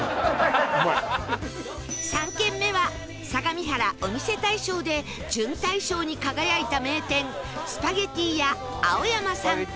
３軒目は相模原お店大賞で準大賞に輝いた名店スパゲティ屋青山さん